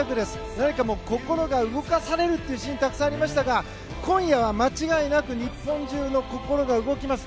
何か心が動かされるというシーンがたくさんありましたが今夜は間違いなく日本中の心が動きます。